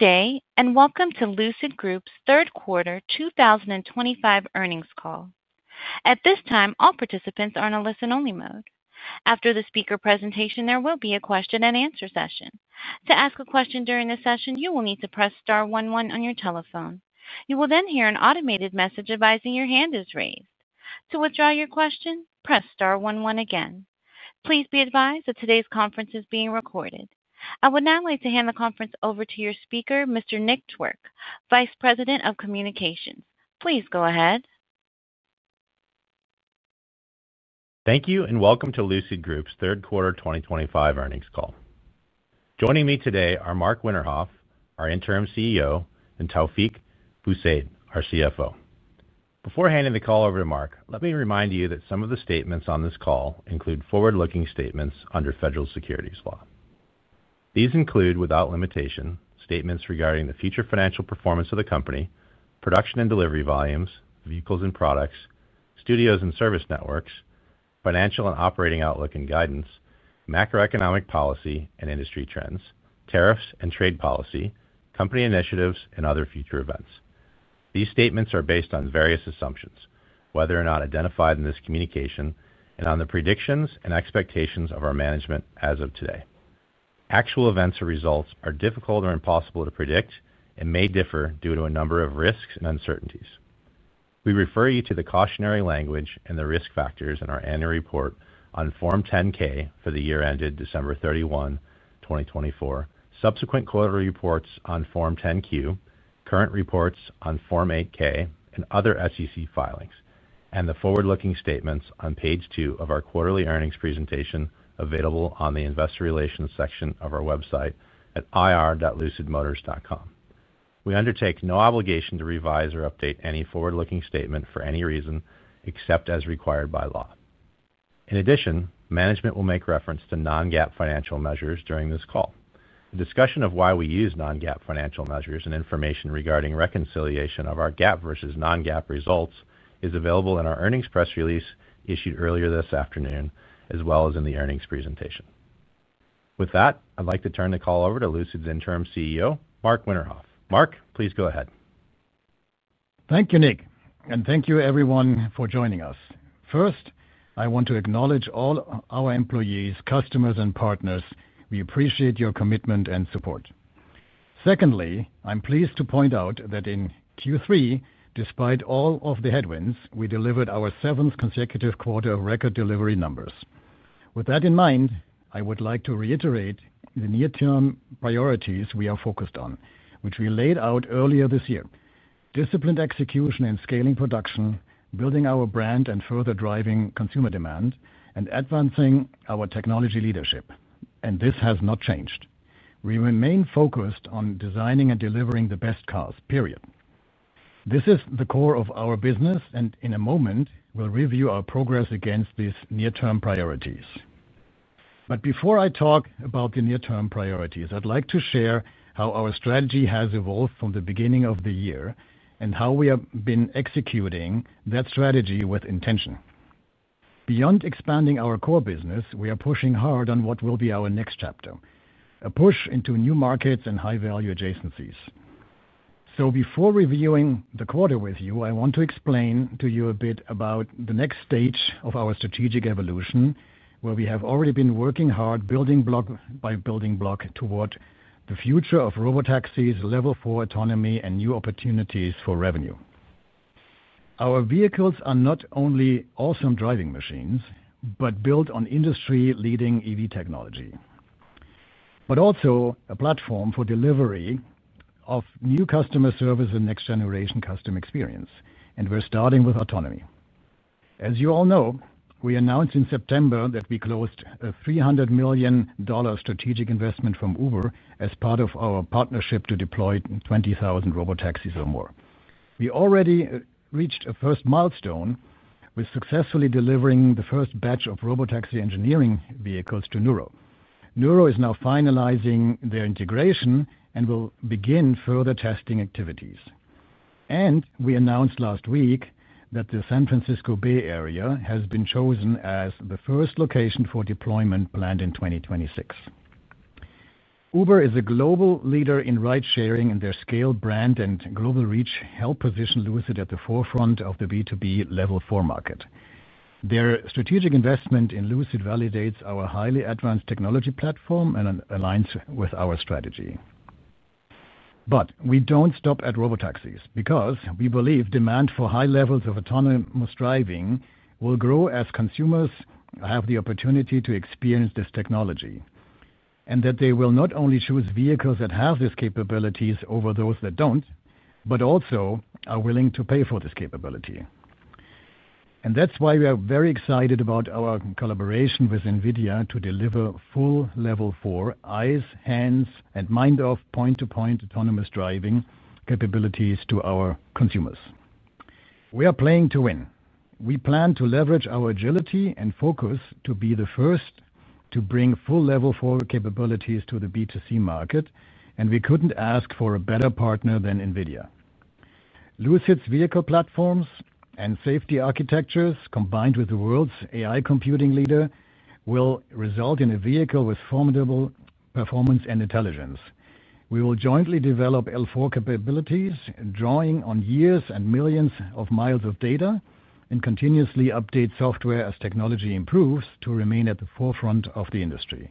Good day and welcome to Lucid Group's third quarter 2025 earnings call. At this time, all participants are in a listen-only mode. After the speaker presentation, there will be a question-and-answer session. To ask a question during this session, you will need to press star one one on your telephone. You will then hear an automated message advising your hand is raised. To withdraw your question, press star one one again. Please be advised that today's conference is being recorded. I would now like to hand the conference over to your speaker, Mr. Nick Twerk, Vice President of Communications. Please go ahead. Thank you and welcome to Lucid Group's third quarter 2025 earnings call. Joining me today are Marc Winterhoff, our interim CEO, and Taoufiq Boussaid, our CFO. Before handing the call over to Marc, let me remind you that some of the statements on this call include forward-looking statements under federal securities law. These include, without limitation, statements regarding the future financial performance of the company, production and delivery volumes, vehicles and products, studios and service networks, financial and operating outlook and guidance, macroeconomic policy and industry trends, tariffs and trade policy, company initiatives, and other future events. These statements are based on various assumptions, whether or not identified in this communication, and on the predictions and expectations of our management as of today. Actual events or results are difficult or impossible to predict and may differ due to a number of risks and uncertainties. We refer you to the cautionary language and the risk factors in our annual report on Form 10-K for the year ended December 31, 2024, subsequent quarterly reports on Form 10-Q, current reports on Form 8-K, and other SEC filings, and the forward-looking statements on page two of our quarterly earnings presentation available on the investor relations section of our website at ir.lucidmotors.com. We undertake no obligation to revise or update any forward-looking statement for any reason except as required by law. In addition, management will make reference to non-GAAP financial measures during this call. The discussion of why we use non-GAAP financial measures and information regarding reconciliation of our GAAP versus non-GAAP results is available in our earnings press release issued earlier this afternoon, as well as in the earnings presentation. With that, I'd like to turn the call over to Lucid's Interim CEO, Marc Winterhoff. Marc, please go ahead. Thank you, Nick, and thank you, everyone, for joining us. First, I want to acknowledge all our employees, customers, and partners. We appreciate your commitment and support. Secondly, I'm pleased to point out that in Q3, despite all of the headwinds, we delivered our seventh consecutive quarter of record delivery numbers. With that in mind, I would like to reiterate the near-term priorities we are focused on, which we laid out earlier this year: disciplined execution and scaling production, building our brand and further driving consumer demand, and advancing our technology leadership. This has not changed. We remain focused on designing and delivering the best cars, period. This is the core of our business, and in a moment, we'll review our progress against these near-term priorities. Before I talk about the near-term priorities, I'd like to share how our strategy has evolved from the beginning of the year and how we have been executing that strategy with intention. Beyond expanding our core business, we are pushing hard on what will be our next chapter, a push into new markets and high-value adjacencies. Before reviewing the quarter with you, I want to explain to you a bit about the next stage of our strategic evolution, where we have already been working hard, building block by building block, toward the future of robotaxis, level four autonomy, and new opportunities for revenue. Our vehicles are not only awesome driving machines but built on industry-leading EV technology. They are also a platform for delivery of new customer service and next-generation customer experience. We're starting with autonomy. As you all know, we announced in September that we closed a $300 million strategic investment from Uber as part of our partnership to deploy 20,000 robotaxis or more. We already reached a first milestone with successfully delivering the first batch of robotaxi engineering vehicles to Nuro. Nuro is now finalizing their integration and will begin further testing activities. We announced last week that the San Francisco Bay Area has been chosen as the first location for deployment planned in 2026. Uber is a global leader in ride-sharing, and their scale, brand, and global reach help position Lucid at the forefront of the B2B level four market. Their strategic investment in Lucid validates our highly advanced technology platform and aligns with our strategy. We do not stop at robotaxis because we believe demand for high levels of autonomous driving will grow as consumers have the opportunity to experience this technology, and that they will not only choose vehicles that have these capabilities over those that do not, but also are willing to pay for this capability. That is why we are very excited about our collaboration with NVIDIA to deliver full level four eyes, hands, and mind-off point-to-point autonomous driving capabilities to our consumers. We are playing to win. We plan to leverage our agility and focus to be the first to bring full level four capabilities to the B2C market, and we could not ask for a better partner than NVIDIA. Lucid's vehicle platforms and safety architectures, combined with the world's AI computing leader, will result in a vehicle with formidable performance and intelligence. We will jointly develop L4 capabilities, drawing on years and millions of miles of data, and continuously update software as technology improves to remain at the forefront of the industry.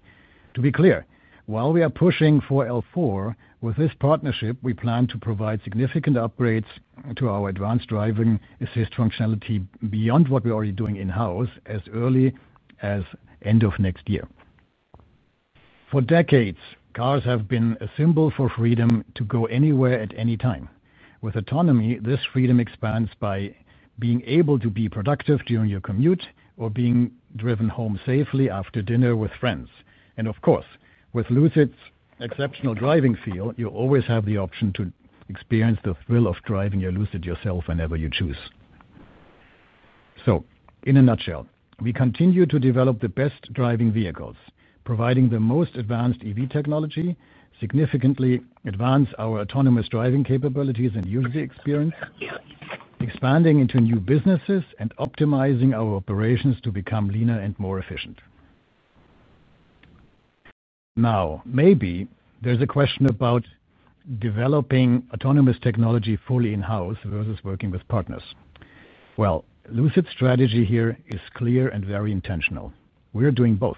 To be clear, while we are pushing for L4, with this partnership, we plan to provide significant upgrades to our advanced driving assist functionality beyond what we're already doing in-house as early as the end of next year. For decades, cars have been a symbol for freedom to go anywhere at any time. With autonomy, this freedom expands by being able to be productive during your commute or being driven home safely after dinner with friends. Of course, with Lucid's exceptional driving feel, you always have the option to experience the thrill of driving your Lucid yourself whenever you choose. In a nutshell, we continue to develop the best driving vehicles, providing the most advanced EV technology, significantly advancing our autonomous driving capabilities and user experience. Expanding into new businesses, and optimizing our operations to become leaner and more efficient. Maybe there's a question about developing autonomous technology fully in-house versus working with partners. Lucid's strategy here is clear and very intentional. We're doing both.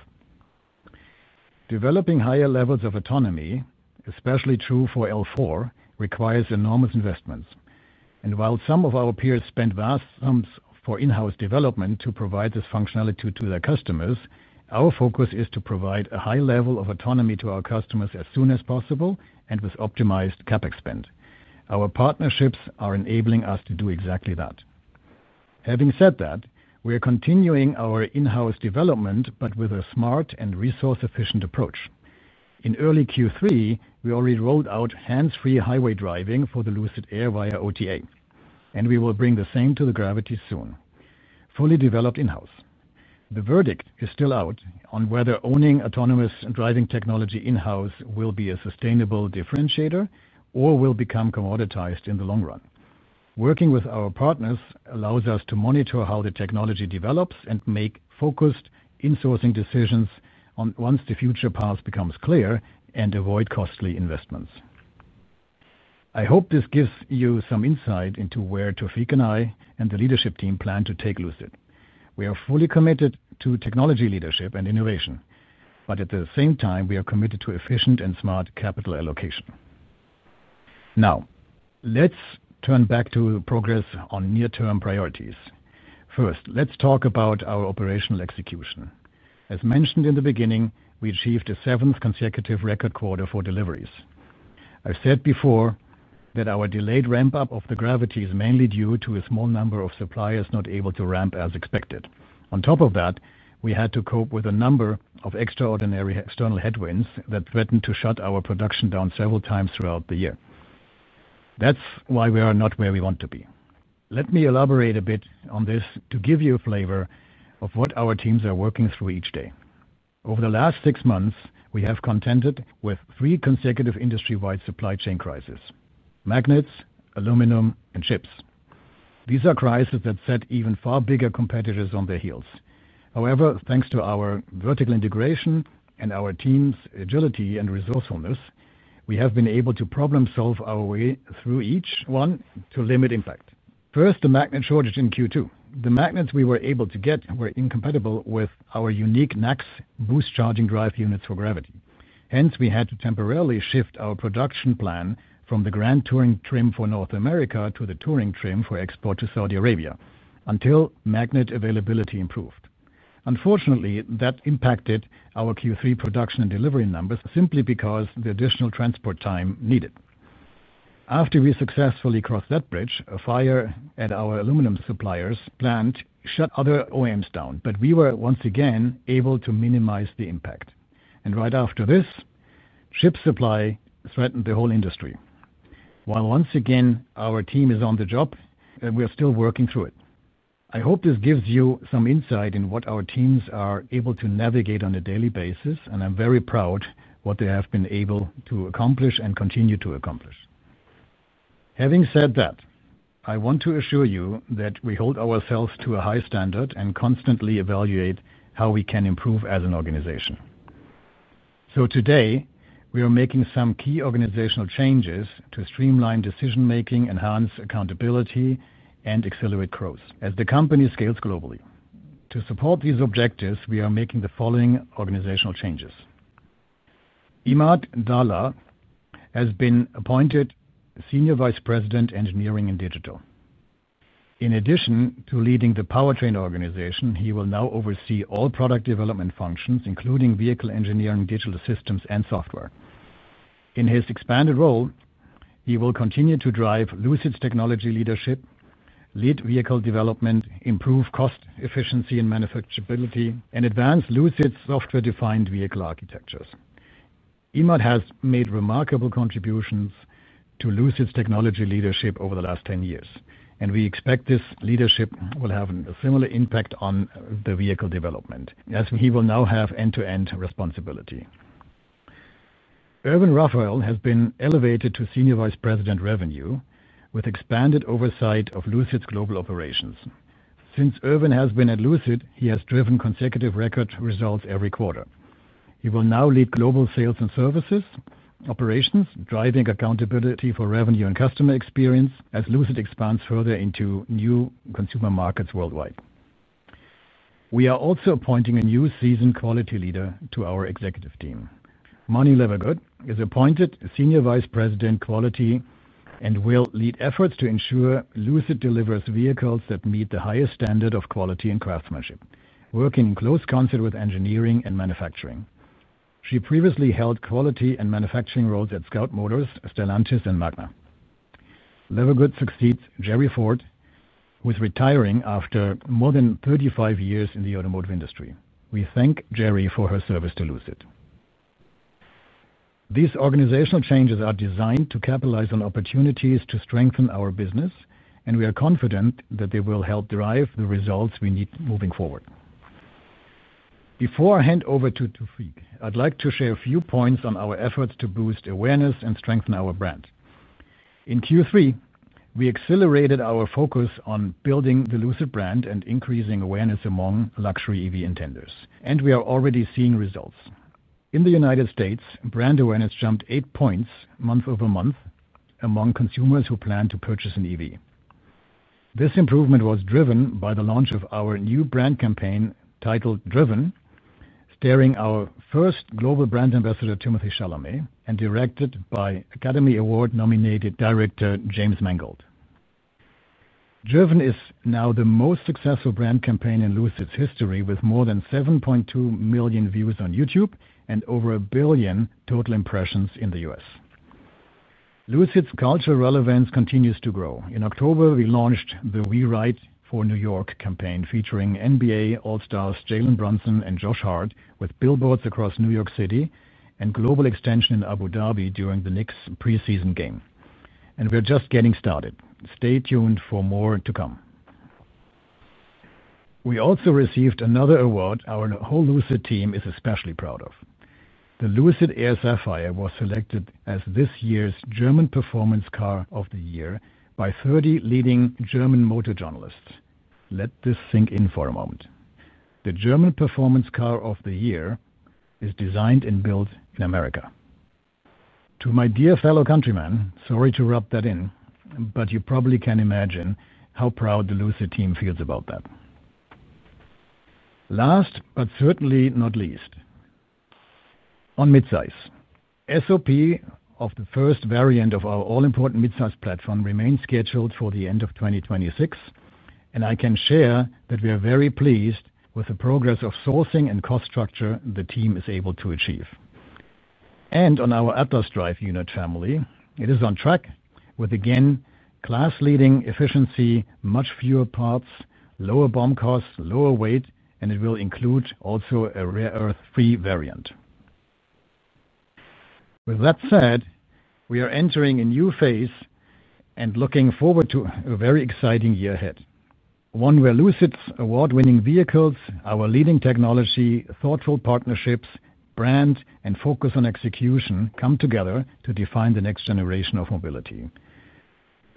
Developing higher levels of autonomy, especially true for L4, requires enormous investments. While some of our peers spend vast sums for in-house development to provide this functionality to their customers, our focus is to provide a high level of autonomy to our customers as soon as possible and with optimized CapEx spend. Our partnerships are enabling us to do exactly that. Having said that, we are continuing our in-house development but with a smart and resource-efficient approach. In early Q3, we already rolled out hands-free highway driving for the Lucid Air via OTA, and we will bring the same to the Gravity soon. Fully developed in-house. The verdict is still out on whether owning autonomous driving technology in-house will be a sustainable differentiator or will become commoditized in the long run. Working with our partners allows us to monitor how the technology develops and make focused insourcing decisions once the future path becomes clear and avoid costly investments. I hope this gives you some insight into where Taoufiq and I and the leadership team plan to take Lucid. We are fully committed to technology leadership and innovation, but at the same time, we are committed to efficient and smart capital allocation. Now, let's turn back to progress on near-term priorities. First, let's talk about our operational execution. As mentioned in the beginning, we achieved the seventh consecutive record quarter for deliveries. I've said before that our delayed ramp-up of the Gravity is mainly due to a small number of suppliers not able to ramp as expected. On top of that, we had to cope with a number of extraordinary external headwinds that threatened to shut our production down several times throughout the year. That's why we are not where we want to be. Let me elaborate a bit on this to give you a flavor of what our teams are working through each day. Over the last six months, we have contended with three consecutive industry-wide supply chain crises: magnets, aluminum, and chips. These are crises that set even far bigger competitors on their heels. However, thanks to our vertical integration and our team's agility and resourcefulness, we have been able to problem-solve our way through each one to limit impact. First, the magnet shortage in Q2. The magnets we were able to get were incompatible with our unique NACS boost charging drive units for Gravity. Hence, we had to temporarily shift our production plan from the Grand Touring trim for North America to the Touring trim for export to Saudi Arabia until magnet availability improved. Unfortunately, that impacted our Q3 production and delivery numbers simply because of the additional transport time needed. After we successfully crossed that bridge, fire and our aluminum suppliers planned to shut other OEMs down, but we were once again able to minimize the impact. Right after this, chip supply threatened the whole industry. While once again our team is on the job, we're still working through it. I hope this gives you some insight into what our teams are able to navigate on a daily basis, and I'm very proud of what they have been able to accomplish and continue to accomplish. Having said that, I want to assure you that we hold ourselves to a high standard and constantly evaluate how we can improve as an organization. Today, we are making some key organizational changes to streamline decision-making, enhance accountability, and accelerate growth as the company scales globally. To support these objectives, we are making the following organizational changes. Emad Dhalla has been appointed Senior Vice President Engineering and Digital. In addition to leading the powertrain organization, he will now oversee all product development functions, including vehicle engineering, digital systems, and software. In his expanded role, he will continue to drive Lucid's technology leadership, lead vehicle development, improve cost efficiency and manufacturability, and advance Lucid's software-defined vehicle architectures. Emad has made remarkable contributions to Lucid's technology leadership over the last 10 years, and we expect this leadership will have a similar impact on the vehicle development as he will now have end-to-end responsibility. Erwin Rafael has been elevated to Senior Vice President Revenue with expanded oversight of Lucid's global operations. Since Erwin has been at Lucid, he has driven consecutive record results every quarter. He will now lead global sales and services operations, driving accountability for revenue and customer experience as Lucid expands further into new consumer markets worldwide. We are also appointing a new seasoned quality leader to our executive team. Manu Levengood is appointed Senior Vice President Quality and will lead efforts to ensure Lucid delivers vehicles that meet the highest standard of quality and craftsmanship, working in close concert with engineering and manufacturing. She previously held quality and manufacturing roles at Scout Motors, Stellantis, and Magna. Levengood succeeds Jerry Ford, with Jerry retiring after more than 35 years in the automotive industry. We thank Jerry for her service to Lucid. These organizational changes are designed to capitalize on opportunities to strengthen our business, and we are confident that they will help drive the results we need moving forward. Before I hand over to Taoufiq, I'd like to share a few points on our efforts to boost awareness and strengthen our brand. In Q3, we accelerated our focus on building the Lucid brand and increasing awareness among luxury EV intenders, and we are already seeing results. In the United States, brand awareness jumped eight points month-over-month among consumers who plan to purchase an EV. This improvement was driven by the launch of our new brand campaign titled Driven, starring our first global brand ambassador, Timothée Chalamet, and directed by Academy Award-nominated director James Mangold. Driven is now the most successful brand campaign in Lucid's history, with more than 7.2 million views on YouTube and over 1 billion total impressions in the US. Lucid's cultural relevance continues to grow. In October, we launched the We Ride for New York campaign featuring NBA All-Stars Jalen Brunson and Josh Hart with billboards across New York City and global extension in Abu Dhabi during the Knicks' preseason game. We are just getting started. Stay tuned for more to come. We also received another award our whole Lucid team is especially proud of. The Lucid Air Sapphire was selected as this year's German Performance Car of the Year by 30 leading German motor journalists. Let this sink in for a moment. The German Performance Car of the Year is designed and built in America. To my dear fellow countrymen, sorry to rub that in, but you probably can imagine how proud the Lucid team feels about that. Last but certainly not least. On midsize. SOP of the first variant of our all-important midsize platform remains scheduled for the end of 2026, and I can share that we are very pleased with the progress of sourcing and cost structure the team is able to achieve. On our Atlas Drive Unit Family, it is on track with, again, class-leading efficiency, much fewer parts, lower BOM costs, lower weight, and it will include also a rare earth-free variant. With that said, we are entering a new phase and looking forward to a very exciting year ahead, one where Lucid's award-winning vehicles, our leading technology, thoughtful partnerships, brand, and focus on execution come together to define the next generation of mobility.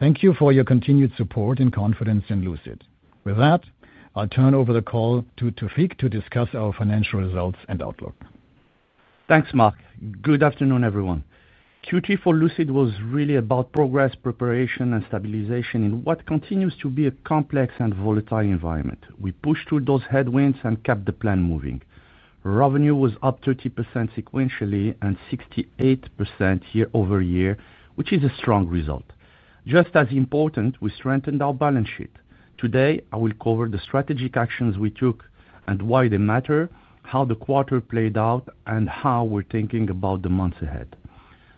Thank you for your continued support and confidence in Lucid. With that, I'll turn over the call to Taoufiq to discuss our financial results and outlook. Thanks, Marc. Good afternoon, everyone. Q3 for Lucid was really about progress, preparation, and stabilization in what continues to be a complex and volatile environment. We pushed through those headwinds and kept the plan moving. Revenue was up 30% sequentially and 68% year-over-year, which is a strong result. Just as important, we strengthened our balance sheet. Today, I will cover the strategic actions we took and why they matter, how the quarter played out, and how we're thinking about the months ahead.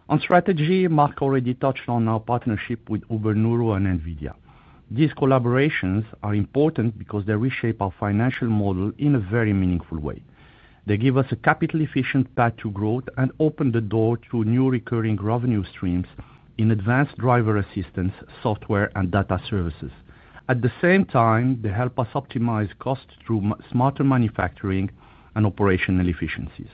On strategy, Marc already touched on our partnership with Uber, Nuro, and NVIDIA. These collaborations are important because they reshape our financial model in a very meaningful way. They give us a capital-efficient path to growth and open the door to new recurring revenue streams in advanced driver assistance software and data services. At the same time, they help us optimize costs through smarter manufacturing and operational efficiencies.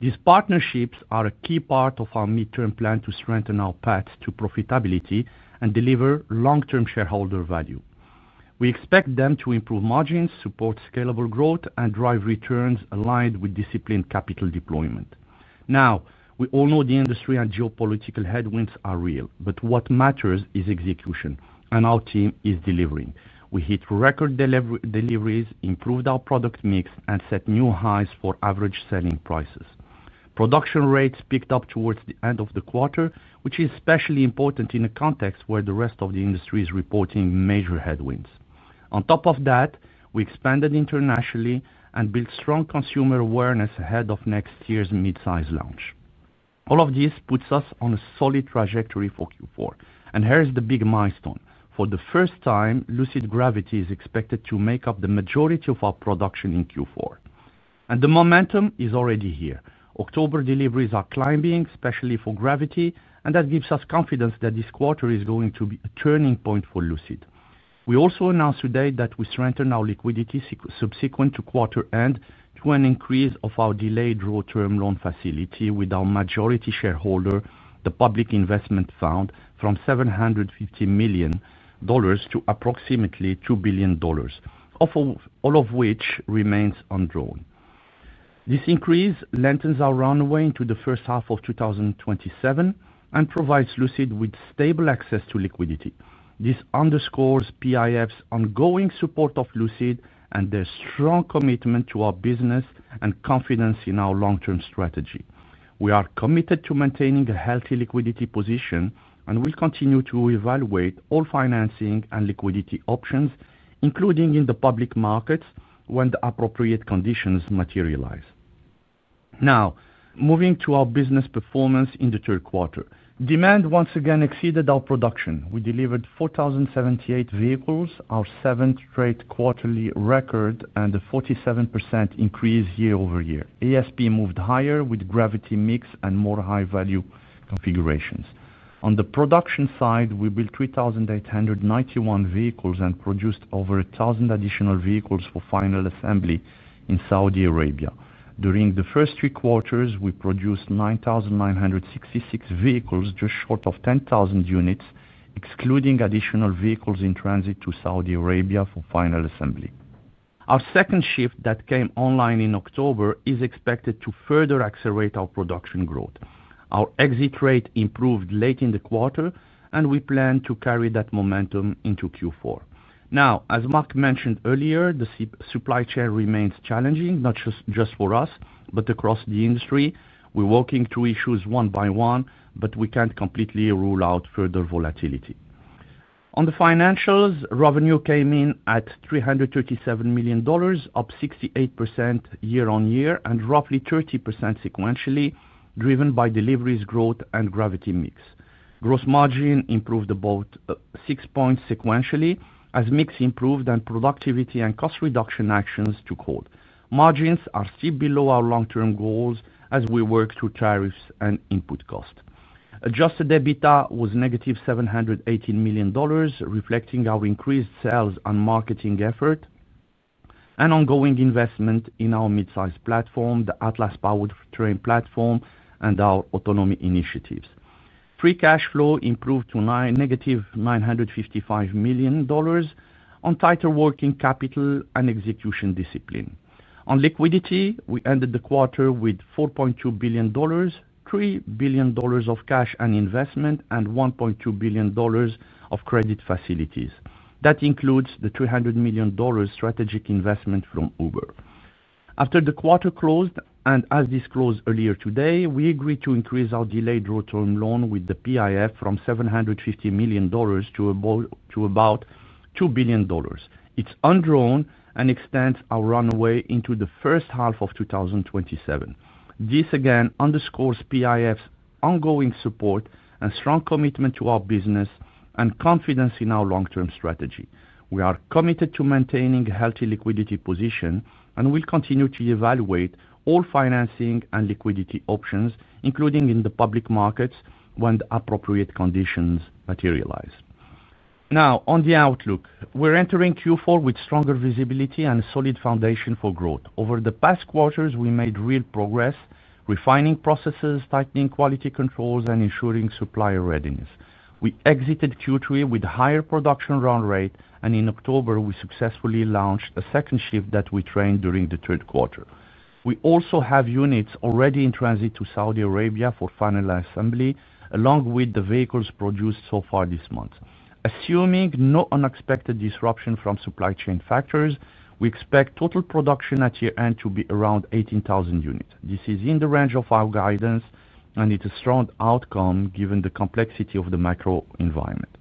These partnerships are a key part of our midterm plan to strengthen our path to profitability and deliver long-term shareholder value. We expect them to improve margins, support scalable growth, and drive returns aligned with disciplined capital deployment. Now, we all know the industry and geopolitical headwinds are real, but what matters is execution, and our team is delivering. We hit record deliveries, improved our product mix, and set new highs for average selling prices. Production rates picked up towards the end of the quarter, which is especially important in a context where the rest of the industry is reporting major headwinds. On top of that, we expanded internationally and built strong consumer awareness ahead of next year's midsize launch. All of this puts us on a solid trajectory for Q4. Here's the big milestone. For the first time, Lucid Gravity is expected to make up the majority of our production in Q4. The momentum is already here. October deliveries are climbing, especially for Gravity, and that gives us confidence that this quarter is going to be a turning point for Lucid. We also announced today that we strengthened our liquidity subsequent to quarter end through an increase of our delayed short-term loan facility with our majority shareholder, the Public Investment Fund, from $750 million to approximately $2 billion, all of which remains undrawn. This increase lengthens our runway into the first half of 2027 and provides Lucid with stable access to liquidity. This underscores PIF's ongoing support of Lucid and their strong commitment to our business and confidence in our long-term strategy. We are committed to maintaining a healthy liquidity position and will continue to evaluate all financing and liquidity options, including in the public markets, when the appropriate conditions materialize. Now, moving to our business performance in the third quarter. Demand once again exceeded our production. We delivered 4,078 vehicles, our seventh straight quarterly record, and a 47% increase year-over-year. ASP moved higher with Gravity mix and more high-value configurations. On the production side, we built 3,891 vehicles and produced over 1,000 additional vehicles for final assembly in Saudi Arabia. During the first three quarters, we produced 9,966 vehicles, just short of 10,000 units, excluding additional vehicles in transit to Saudi Arabia for final assembly. Our second shift that came online in October is expected to further accelerate our production growth. Our exit rate improved late in the quarter, and we plan to carry that momentum into Q4. Now, as Marc mentioned earlier, the supply chain remains challenging, not just for us, but across the industry. We're working through issues one by one, but we can't completely rule out further volatility. On the financials, revenue came in at $337 million, up 68% year on year, and roughly 30% sequentially, driven by deliveries, growth, and Gravity mix. Gross margin improved about six points sequentially as mix improved and productivity and cost reduction actions took hold. Margins are still below our long-term goals as we work through tariffs and input cost. Adjusted EBITDA was negative $718 million, reflecting our increased sales and marketing effort. Ongoing investment in our midsize platform, the Atlas Drive Unit Family platform, and our autonomy initiatives. Free cash flow improved to negative $955 million on tighter working capital and execution discipline. On liquidity, we ended the quarter with $4.2 billion, $3 billion of cash and investment, and $1.2 billion of credit facilities. That includes the $300 million strategic investment from Uber. After the quarter closed, and as disclosed earlier today, we agreed to increase our delayed short-term loan with the PIF from $750 million to about $2 billion. It is unwritten and extends our runway into the first half of 2027. This again underscores PIF's ongoing support and strong commitment to our business and confidence in our long-term strategy. We are committed to maintaining a healthy liquidity position and will continue to evaluate all financing and liquidity options, including in the public markets, when the appropriate conditions materialize. Now, on the outlook, we're entering Q4 with stronger visibility and a solid foundation for growth. Over the past quarters, we made real progress, refining processes, tightening quality controls, and ensuring supplier readiness. We exited Q3 with a higher production run rate, and in October, we successfully launched a second shift that we trained during the third quarter. We also have units already in transit to Saudi Arabia for final assembly, along with the vehicles produced so far this month. Assuming no unexpected disruption from supply chain factors, we expect total production at year end to be around 18,000 units. This is in the range of our guidance, and it's a strong outcome given the complexity of the macro environment.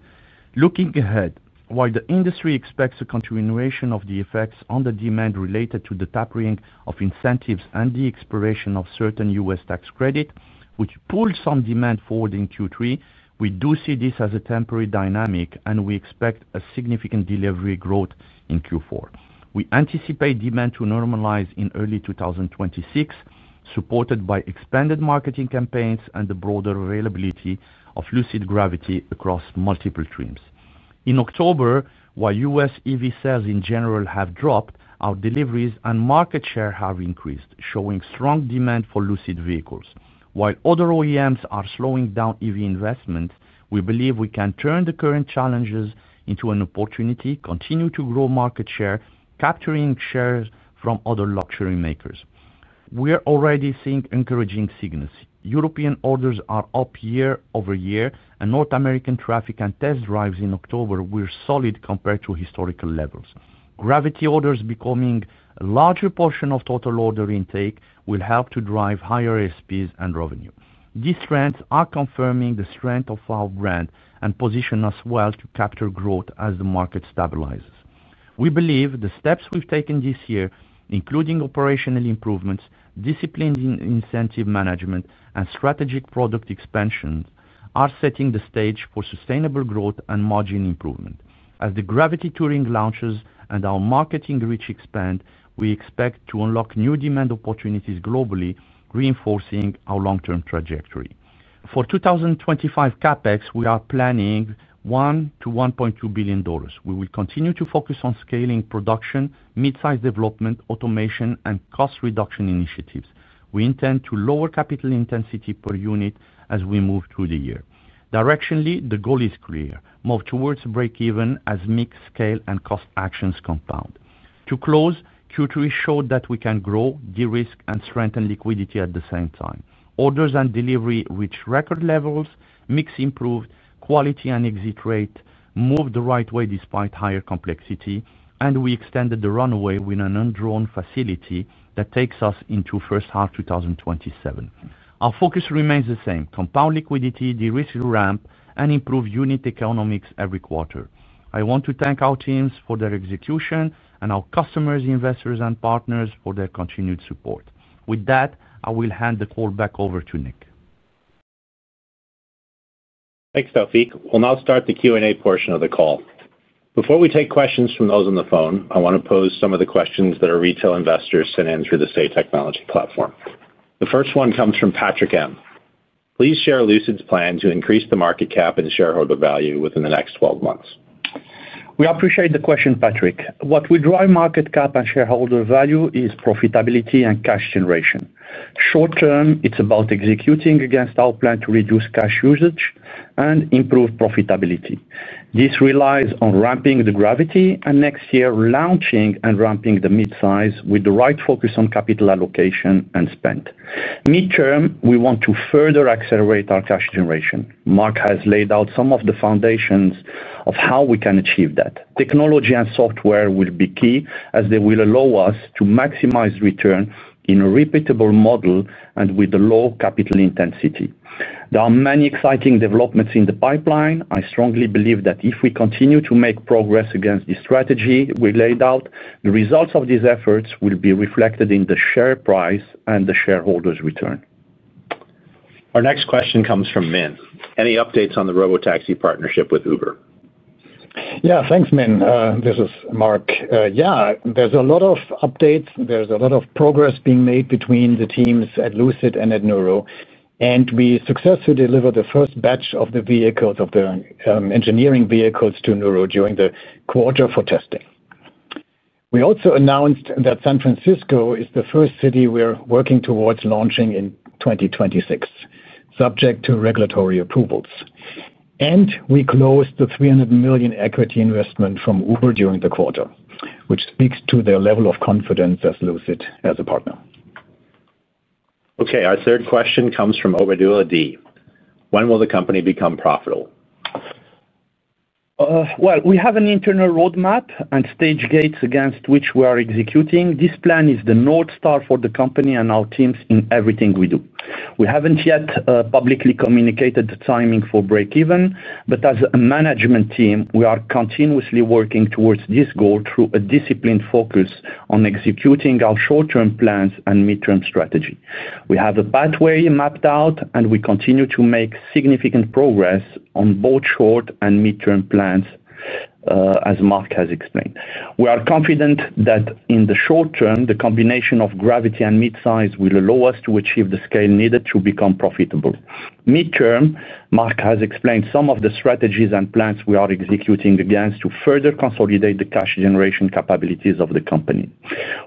Looking ahead, while the industry expects a continuation of the effects on the demand related to the tapering of incentives and the expiration of certain U.S. tax credits, which pulled some demand forward in Q3, we do see this as a temporary dynamic, and we expect a significant delivery growth in Q4. We anticipate demand to normalize in early 2026, supported by expanded marketing campaigns and the broader availability of Lucid Gravity across multiple streams. In October, while U.S. EV sales in general have dropped, our deliveries and market share have increased, showing strong demand for Lucid vehicles. While other OEMs are slowing down EV investments, we believe we can turn the current challenges into an opportunity, continue to grow market share, capturing shares from other luxury makers. We are already seeing encouraging signals. European orders are up year-over-year, and North American traffic and test drives in October were solid compared to historical levels. Gravity orders becoming a larger portion of total order intake will help to drive higher ASPs and revenue. These trends are confirming the strength of our brand and position us well to capture growth as the market stabilizes. We believe the steps we've taken this year, including operational improvements, disciplined incentive management, and strategic product expansion, are setting the stage for sustainable growth and margin improvement. As the Gravity Touring launches and our marketing reach expands, we expect to unlock new demand opportunities globally, reinforcing our long-term trajectory. For 2025 CapEx, we are planning $1 billion-$1.2 billion. We will continue to focus on scaling production, midsize development, automation, and cost reduction initiatives. We intend to lower capital intensity per unit as we move through the year. Directionally, the goal is clear: move towards break-even as mix, scale, and cost actions compound. To close, Q3 showed that we can grow, de-risk, and strengthen liquidity at the same time. Orders and delivery reached record levels, mix improved, quality and exit rate moved the right way despite higher complexity, and we extended the runway with an unwritten facility that takes us into the first half of 2027. Our focus remains the same: compound liquidity, de-risk, ramp, and improve unit economics every quarter. I want to thank our teams for their execution and our customers, investors, and partners for their continued support. With that, I will hand the call back over to Nick. Thanks, Taoufiq. We'll now start the Q&A portion of the call. Before we take questions from those on the phone, I want to pose some of the questions that our retail investors sent in through the SAY Technologies platform. The first one comes from Patrick M. Please share Lucid's plan to increase the market cap and shareholder value within the next 12 months. We appreciate the question, Patrick. What will drive market cap and shareholder value is profitability and cash generation. Short-term, it's about executing against our plan to reduce cash usage and improve profitability. This relies on ramping the Gravity and next year launching and ramping the midsize with the right focus on capital allocation and spend. Midterm, we want to further accelerate our cash generation. Marc has laid out some of the foundations of how we can achieve that. Technology and software will be key as they will allow us to maximize return in a repeatable model and with low capital intensity. There are many exciting developments in the pipeline, I strongly believe that if we continue to make progress against the strategy we laid out, the results of these efforts will be reflected in the share price and the shareholders' return. Our next question comes from Minh. Any updates on the robotaxi partnership with Uber? Yeah, thanks, Minh. This is Marc. Yeah, there's a lot of updates. There's a lot of progress being made between the teams at Lucid and at Nuro, and we successfully delivered the first batch of the vehicles, of the engineering vehicles, to Nuro during the quarter for testing. We also announced that San Francisco is the first city we're working towards launching in 2026, subject to regulatory approvals. We closed the $300 million equity investment from Uber during the quarter, which speaks to their level of confidence in Lucid as a partner. Our third question comes from Obadilla D. When will the company become profitable? We have an internal roadmap and stage gates against which we are executing. This plan is the North Star for the company and our teams in everything we do. We have not yet publicly communicated the timing for break-even, but as a management team, we are continuously working towards this goal through a disciplined focus on executing our short-term plans and midterm strategy. We have a pathway mapped out, and we continue to make significant progress on both short and midterm plans as Marc has explained. We are confident that in the short-term, the combination of Gravity and midsize will allow us to achieve the scale needed to become profitable. Midterm, Marc has explained some of the strategies and plans we are executing against to further consolidate the cash generation capabilities of the company.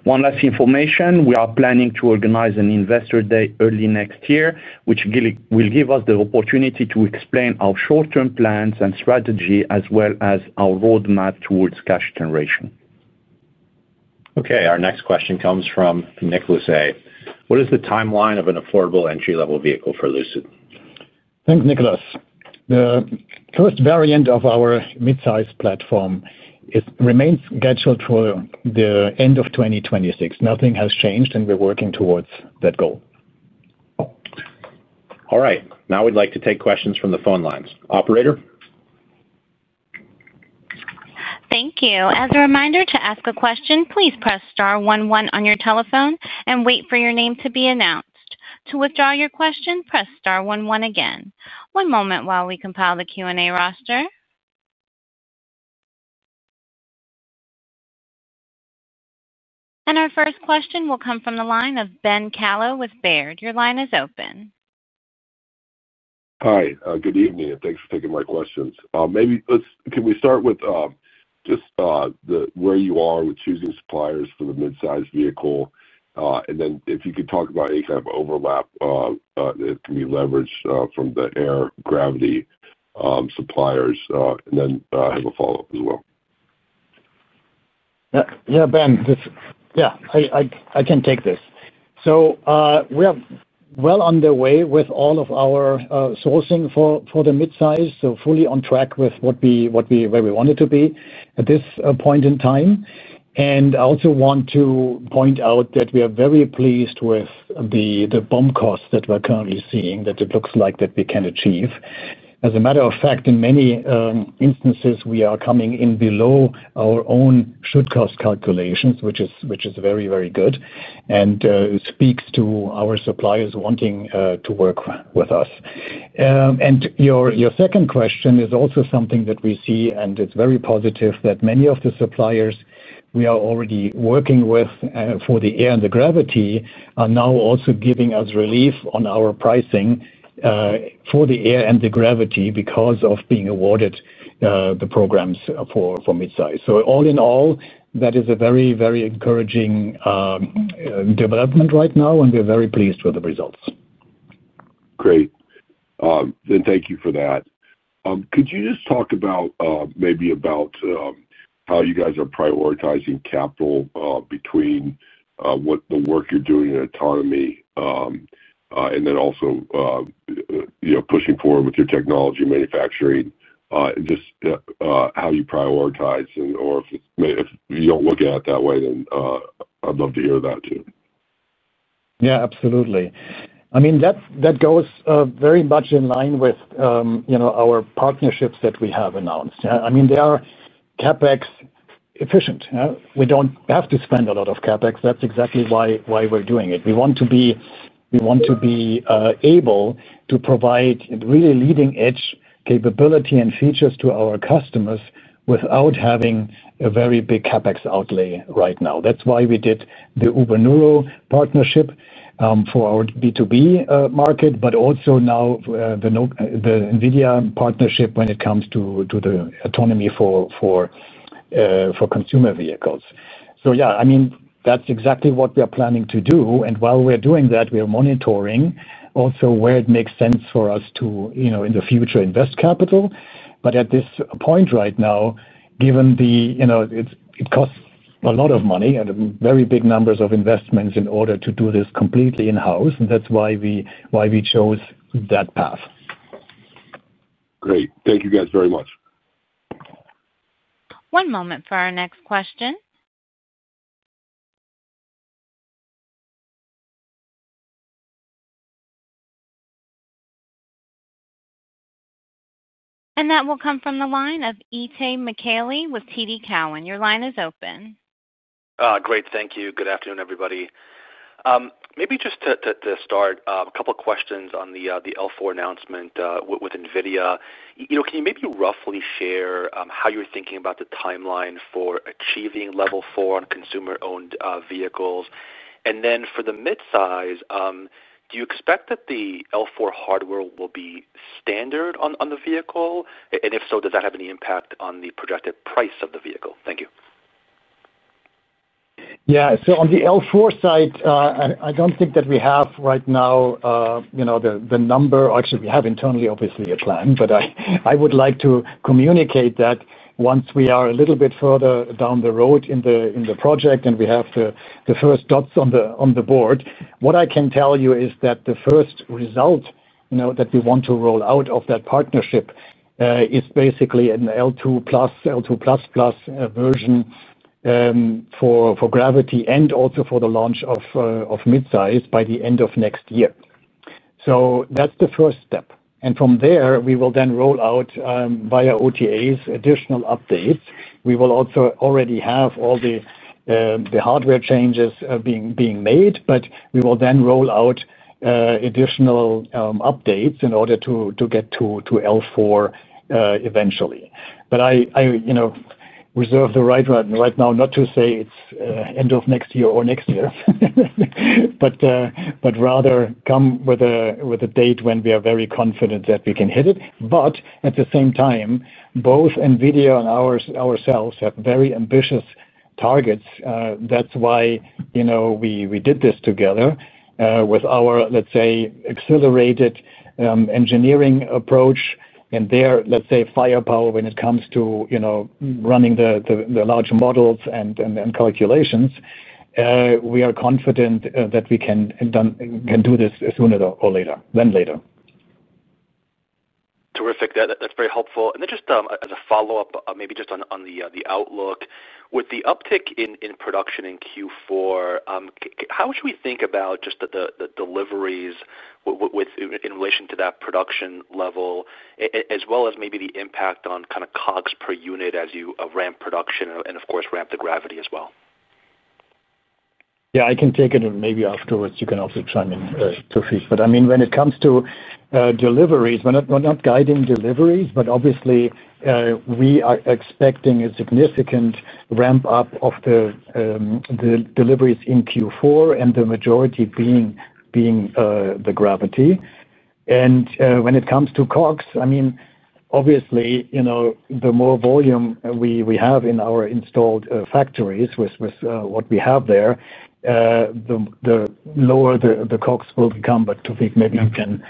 One last piece of information, we are planning to organize an investor day early next year, which will give us the opportunity to explain our short-term plans and strategy, as well as our roadmap towards cash generation. Okay, our next question comes from Nicholas A. What is the timeline of an affordable entry-level vehicle for Lucid? Thanks, Nicholas. The first variant of our midsize platform remains scheduled for the end of 2026. Nothing has changed, and we're working towards that goal. All right. Now we'd like to take questions from the phone lines. Operator? Thank you. As a reminder to ask a question, please press star one one on your telephone and wait for your name to be announced. To withdraw your question, press star one one again. One moment while we compile the Q&A roster. Our first question will come from the line of Ben Kallo with Baird. Your line is open. Hi, good evening, and thanks for taking my questions. Can we start with just where you are with choosing suppliers for the midsize vehicle? If you could talk about any kind of overlap that can be leveraged from the Air Gravity suppliers, I have a follow-up as well. Yeah, Ben, I can take this. We are well on the way with all of our sourcing for the midsize, fully on track with what we wanted to be at this point in time. I also want to point out that we are very pleased with the bump cost that we are currently seeing, that it looks like we can achieve. As a matter of fact, in many instances, we are coming in below our own should cost calculations, which is very, very good and speaks to our suppliers wanting to work with us. Your second question is also something that we see, and it's very positive that many of the suppliers we are already working with for the Air and the Gravity are now also giving us relief on our pricing for the Air and the Gravity because of being awarded the programs for midsize. All in all, that is a very, very encouraging development right now, and we're very pleased with the results. Great. Thank you for that. Could you just talk about maybe about how you guys are prioritizing capital between what the work you're doing in autonomy and then also pushing forward with your technology manufacturing, just how you prioritize, or if you do not look at it that way, then I would love to hear that too? Yeah, absolutely. I mean, that goes very much in line with our partnerships that we have announced. I mean, they are CapEx efficient. We do not have to spend a lot of CapEx. That is exactly why we are doing it. We want to be able to provide really leading-edge capability and features to our customers without having a very big CapEx outlay right now. That is why we did the Uber-Nuro partnership for our B2B market, but also now the NVIDIA partnership when it comes to the autonomy for consumer vehicles. Yeah, I mean, that is exactly what we are planning to do. While we are doing that, we are monitoring also where it makes sense for us to, in the future, invest capital. At this point right now, given the it costs a lot of money and very big numbers of investments in order to do this completely in-house. That is why we chose that path. Great. Thank you guys very much. One moment for our next question. That will come from the line of Itay Michaeli with TD Cowen. Your line is open. Great. Thank you. Good afternoon, everybody. Maybe just to start, a couple of questions on the L4 announcement with NVIDIA. Can you maybe roughly share how you're thinking about the timeline for achieving Level 4 on consumer-owned vehicles? For the midsize, do you expect that the L4 hardware will be standard on the vehicle? If so, does that have any impact on the projected price of the vehicle? Thank you. Yeah. On the L4 side, I do not think that we have right now the number, actually, we have internally, obviously, a plan, but I would like to communicate that once we are a little bit further down the road in the project and we have the first dots on the board. What I can tell you is that the first result that we want to roll out of that partnership is basically an L2+, L2++ version for Gravity and also for the launch of midsize by the end of next year. That's the first step. From there, we will then roll out via OTAs additional updates. We will also already have all the hardware changes being made, but we will then roll out additional updates in order to get to L4 eventually. I reserve the right right now not to say it's end of next year or next year. Rather come with a date when we are very confident that we can hit it. At the same time, both NVIDIA and ourselves have very ambitious targets. That is why we did this together with our, let's say, accelerated engineering approach and their, let's say, firepower when it comes to running the large models and calculations. We are confident that we can do this sooner than later. Terrific. That is very helpful. Just as a follow-up, maybe just on the outlook, with the uptick in production in Q4, how should we think about just the deliveries in relation to that production level, as well as maybe the impact on kind of COGS per unit as you ramp production and, of course, ramp the Gravity as well? Yeah, I can take it, and maybe afterwards, you can also chime in, Taoufiq. I mean, when it comes to deliveries, we're not guiding deliveries, but obviously. We are expecting a significant ramp-up of the deliveries in Q4 and the majority being the Gravity. When it comes to COGS, I mean, obviously, the more volume we have in our installed factories with what we have there, the lower the COGS will become. Taoufiq, maybe you can.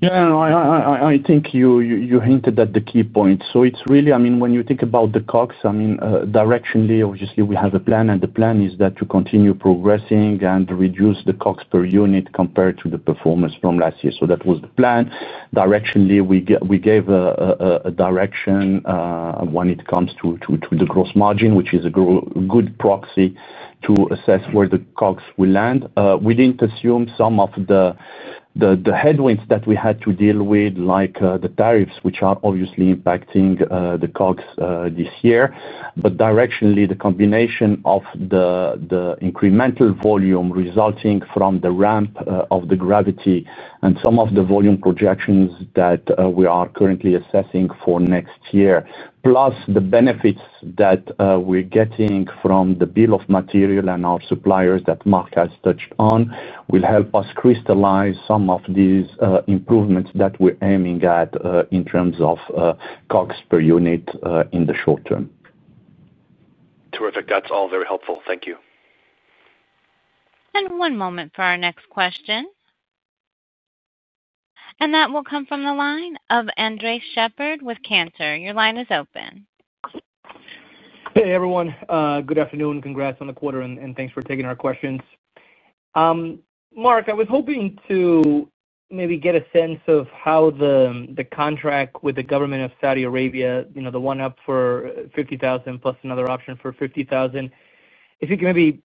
Yeah, I think you hinted at the key point. It's really, I mean, when you think about the COGS, I mean, directionally, obviously, we have a plan, and the plan is to continue progressing and reduce the COGS per unit compared to the performance from last year. That was the plan. Directionally, we gave a direction when it comes to the gross margin, which is a good proxy to assess where the COGS will land. We didn't assume some of the headwinds that we had to deal with, like the tariffs, which are obviously impacting the COGS this year. Directionally, the combination of the incremental volume resulting from the ramp of the Gravity and some of the volume projections that we are currently assessing for next year, plus the benefits that we are getting from the bill of material and our suppliers that Marc has touched on, will help us crystallize some of these improvements that we are aiming at in terms of COGS per unit in the short term. Terrific. That is all very helpful. Thank you. One moment for our next question. That will come from the line of Andre Shepherd with Cantor. Your line is open. Hey, everyone. Good afternoon. Congrats on the quarter, and thanks for taking our questions. Marc, I was hoping to maybe get a sense of how the contract with the government of Saudi Arabia, the one up for 50,000+ another option for 50,000, if you can maybe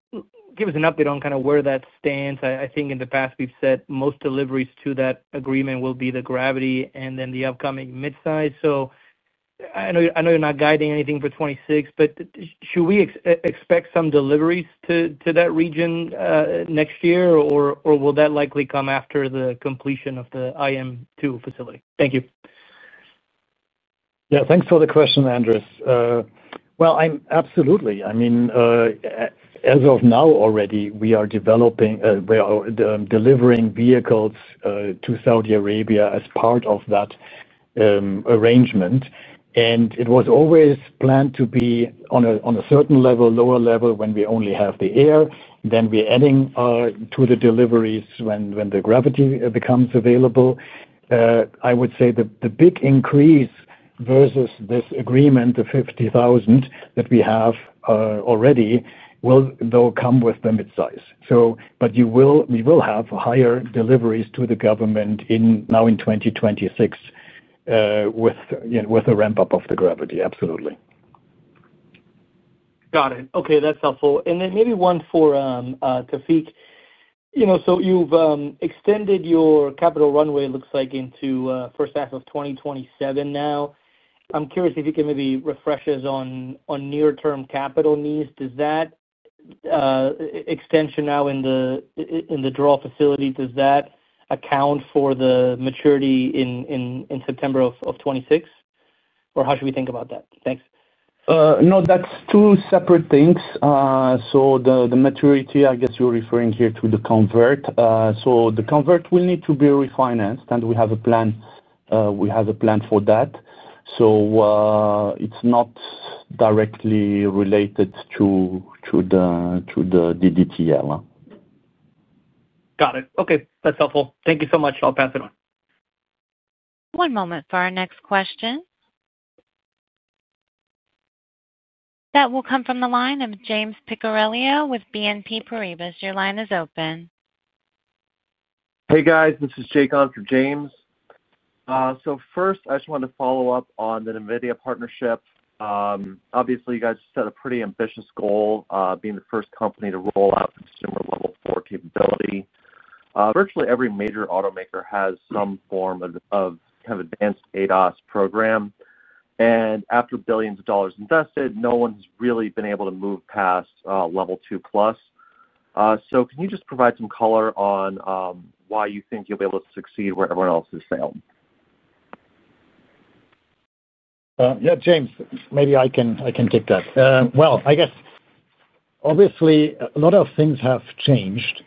give us an update on kind of where that stands. I think in the past, we've said most deliveries to that agreement will be the Gravity and then the upcoming midsize. I know you're not guiding anything for 2026, but should we expect some deliveries to that region next year, or will that likely come after the completion of the IM2 facility? Thank you. Yeah, thanks for the question, Andres. Absolutely. I mean, as of now already, we are developing. We are delivering vehicles to Saudi Arabia as part of that arrangement. It was always planned to be on a certain level, lower level, when we only have the Air. We're adding to the deliveries when the Gravity becomes available. I would say the big increase versus this agreement, the 50,000 that we have already, will, though, come with the midsize. We will have higher deliveries to the government now in 2026 with a ramp-up of the Gravity. Absolutely. Got it. Okay. That's helpful. Maybe one for Taoufiq. You've extended your capital runway, it looks like, into the first half of 2027 now. I'm curious if you can maybe refresh us on near-term capital needs. Does that extension now in the draw facility, does that account for the maturity in September of 2026 or how should we think about that? Thanks. No, that's two separate things. The maturity, I guess you're referring here to the convert. The convert will need to be refinanced, and we have a plan for that. It's not directly related to the DDTL. Got it. Okay. That's helpful. Thank you so much. I'll pass it on. One moment for our next question. That will come from the line of James Picariello with BNP Paribas. Your line is open. Hey, guys. This is Jake on for James. First, I just want to follow up on the NVIDIA partnership. Obviously, you guys set a pretty ambitious goal of being the first company to roll out consumer-level core capability. Virtually every major automaker has some form of kind of advanced ADAS program. After billions of dollars invested, no one has really been able to move past Level 2+. Can you just provide some color on why you think you'll be able to succeed where everyone else has failed? Yeah, James, maybe I can take that. I guess obviously a lot of things have changed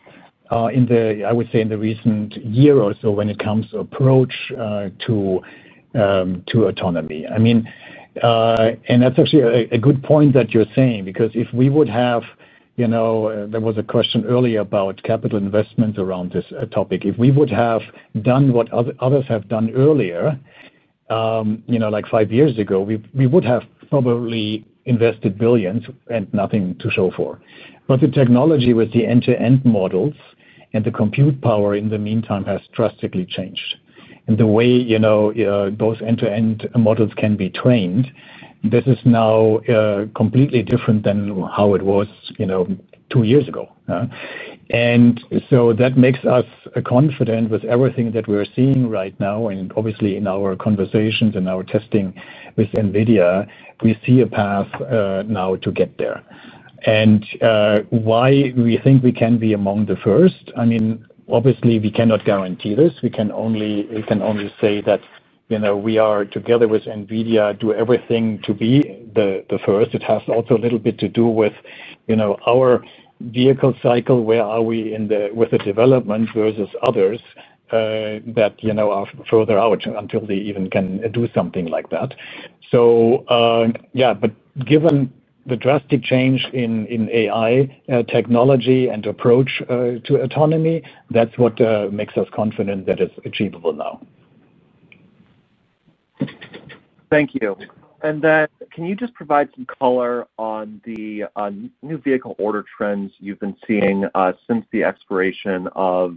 I would say in the recent year or so when it comes to approach to autonomy. I mean, and that's actually a good point that you're saying because if we would have, there was a question earlier about capital investments around this topic. If we would have done what others have done earlier, like five years ago, we would have probably invested billions and nothing to show for. But the technology with the end-to-end models and the compute power in the meantime has drastically changed. The way those end-to-end models can be trained, this is now completely different than how it was two years ago. That makes us confident with everything that we're seeing right now. Obviously, in our conversations and our testing with NVIDIA, we see a path now to get there. Why we think we can be among the first, I mean, obviously, we cannot guarantee this. We can only say that we are together with NVIDIA, do everything to be the first. It has also a little bit to do with our vehicle cycle, where are we with the development versus others that are further out until they even can do something like that? Yeah, but given the drastic change in AI technology and approach to autonomy, that's what makes us confident that it's achievable now. Thank you. Can you just provide some color on the new vehicle order trends you've been seeing since the expiration of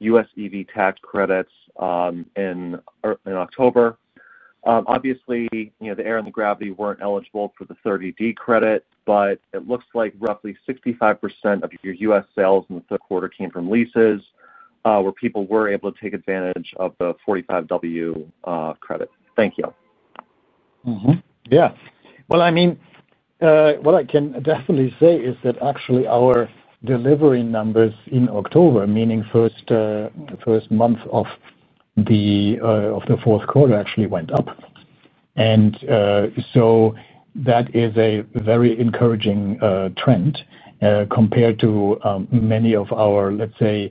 US EV tax credits in October? Obviously, the Air and Gravity were not eligible for the 30D credit, but it looks like roughly 65% of your U.S. sales in the third quarter came from leases where people were able to take advantage of the 45W credit. Thank you. Yeah. I mean, what I can definitely say is that actually our delivery numbers in October, meaning first month of the fourth quarter, actually went up. That is a very encouraging trend compared to many of our, let's say,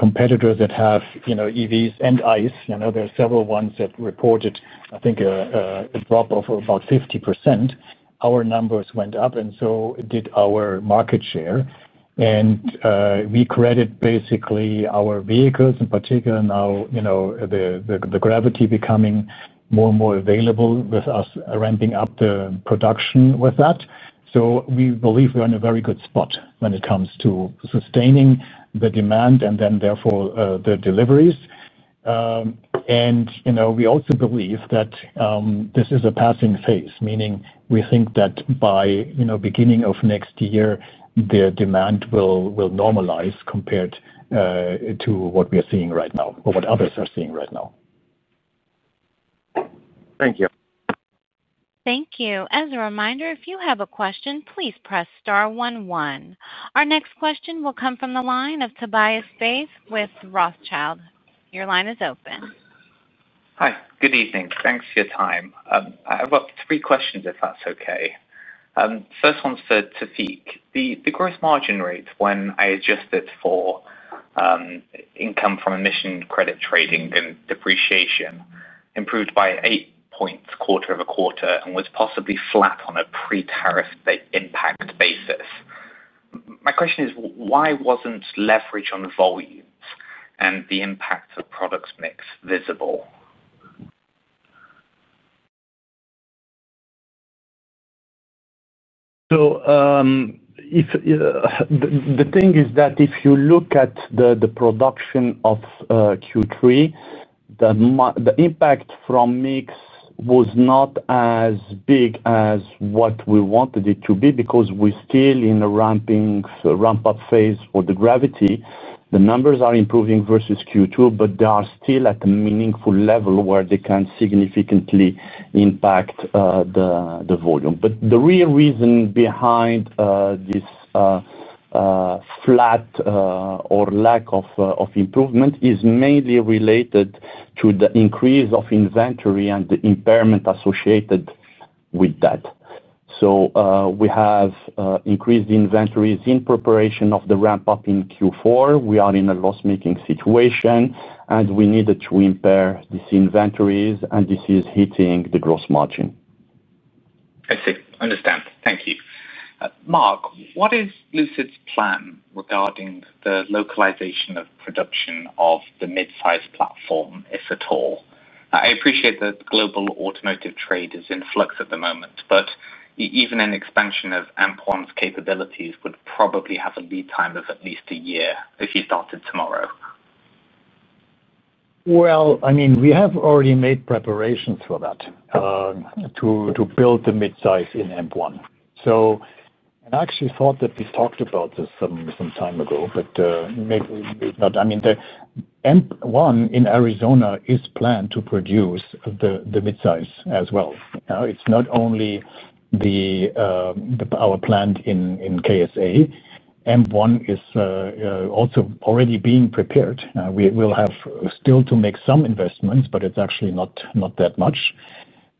competitors that have EVs and ICE. There are several ones that reported, I think, a drop of about 50%. Our numbers went up and so did our market share. We credit, basically, our vehicles in particular, now the Gravity becoming more and more available with us ramping up the production with that. We believe we're in a very good spot when it comes to sustaining the demand and then, therefore, the deliveries. We also believe that this is a passing phase, meaning we think that by beginning of next year, the demand will normalize compared to what we are seeing right now or what others are seeing right now. Thank you. Thank you. As a reminder, if you have a question, please press star one one. Our next question will come from the line of Tobias Koch with Rothschild. Your line is open. Hi. Good evening. Thanks for your time. I have three questions, if that's okay. First one's for Taoufiq. The gross margin rate, when I adjusted for income from emission credit trading and depreciation, improved by 8 percentage points quarter over quarter and was possibly flat on a pre-tariff impact basis. My question is, why wasn't leverage on volumes and the impact of product mix visible? The thing is that if you look at the production of Q3, the impact from mix was not as big as what we wanted it to be because we're still in a ramp-up phase for the Gravity. The numbers are improving versus Q2, but they are still at a meaningful level where they can significantly impact the volume. The real reason behind this flat or lack of improvement is mainly related to the increase of inventory and the impairment associated with that. We have increased inventories in preparation of the ramp-up in Q4. We are in a loss-making situation, and we needed to impair these inventories, and this is hitting the gross margin. I see. Understand. Thank you. Marc, what is Lucid's plan regarding the localization of production of the midsize platform, if at all? I appreciate that global automotive trade is in flux at the moment, but even an expansion of AMP1's capabilities would probably have a lead time of at least a year if you started tomorrow. I mean, we have already made preparations for that. To build the midsize in AMP1. I actually thought that we talked about this some time ago, but maybe not. I mean, AMP1 in Arizona is planned to produce the midsize as well. It's not only our plant in KSA. AMP1 is also already being prepared. We'll have still to make some investments, but it's actually not that much.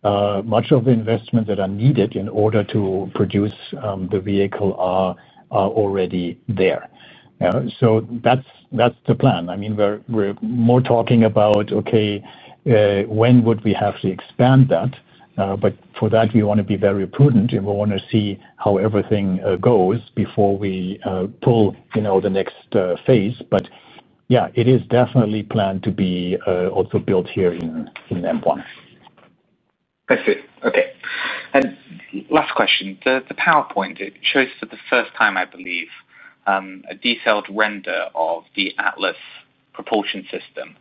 Much of the investments that are needed in order to produce the vehicle are already there. That's the plan. I mean, we're more talking about, okay, when would we have to expand that? For that, we want to be very prudent, and we want to see how everything goes before we pull the next phase. Yeah, it is definitely planned to be also built here in AMP1. I see. Okay. Last question. The PowerPoint, it shows for the first time, I believe, a detailed render of the Atlas propulsion system.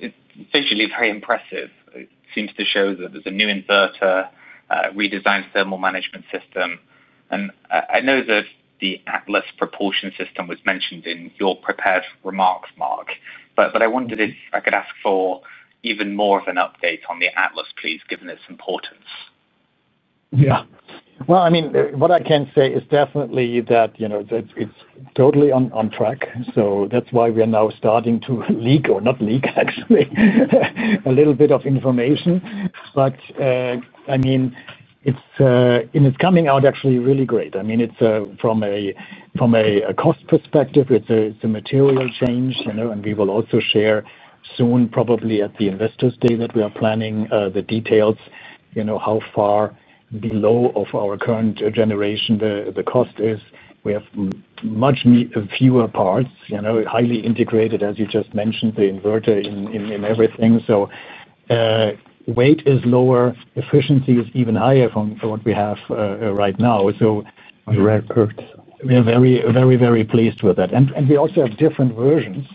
It's visually very impressive. It seems to show that there's a new inverter, redesigned thermal management system. I know that the Atlas propulsion system was mentioned in your prepared remarks, Marc, but I wondered if I could ask for even more of an update on the Atlas, please, given its importance. Yeah. What I can say is definitely that it's totally on track. That's why we are now starting to leak, or not leak, actually, a little bit of information. I mean, it's coming out actually really great. I mean, from a cost perspective, it's a material change. We will also share soon, probably at the investors' day that we are planning, the details, how far below our current generation the cost is. We have much fewer parts, highly integrated, as you just mentioned, the inverter in everything. Weight is lower, efficiency is even higher from what we have right now. We are very, very pleased with that. We also have different versions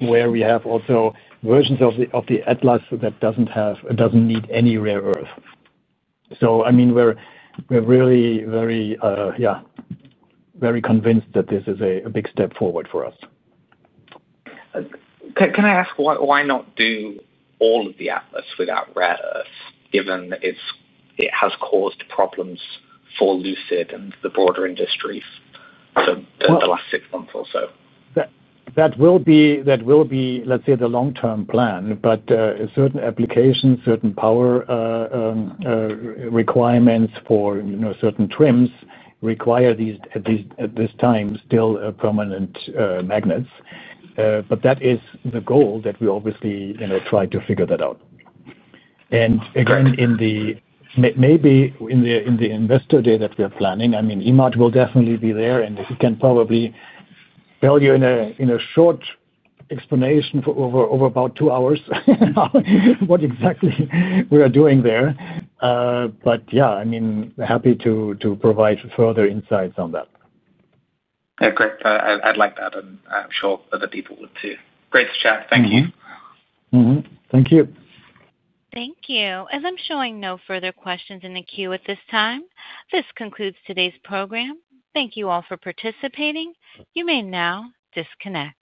where we have also versions of the Atlas that do not need any rare earth. I mean, we're really very, yeah, very convinced that this is a big step forward for us. Can I ask why not do all of the Atlas without rare earth, given it has caused problems for Lucid and the broader industry for the last six months or so? That will be, let's say, the long-term plan, but certain applications, certain power requirements for certain trims require at this time still permanent magnets. That is the goal that we obviously try to figure that out. Maybe in the investor day that we are planning, I mean, Emad will definitely be there, and he can probably tell you in a short explanation for over about two hours what exactly we are doing there. Yeah, happy to provide further insights on that. Yeah, great. I'd like that, and I'm sure other people would too. Great to chat. Thank you. Thank you. Thank you. As I'm showing no further questions in the queue at this time, this concludes today's program. Thank you all for participating. You may now disconnect.